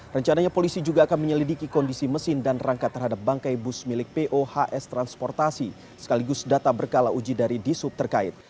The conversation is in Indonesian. rencananya polisi juga akan menyelidiki kondisi mesin dan rangka terhadap bangkai bus milik pohs transportasi sekaligus data berkala uji dari disub terkait